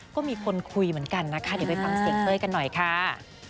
ก็มีคนคุยเหมือนกันนะคะเดี๋ยวไปฟังเสียงเต้ยกันหน่อยค่ะ